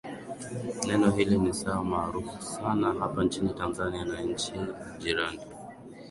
Neno hili sasa ni maarufu sana hapa nchini Tanzania na nchi jirani